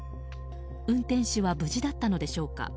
運転手は無事だったのでしょうか。